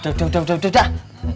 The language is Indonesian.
udah udah udah